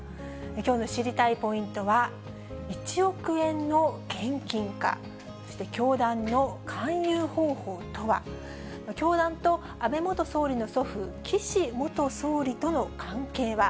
きょうの知りたいポイントは、１億円の献金か、そして教団の勧誘方法とは、教団と安倍元総理の祖父、岸元総理との関係は？